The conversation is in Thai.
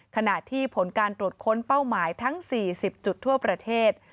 ขณะที่ผลการตรวจค้นเป้าหมายทั้ง๔๐จุดทั่วประเทศ